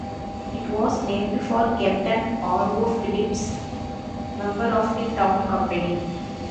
It was named for Captain R. O. Phillips, member of the town company.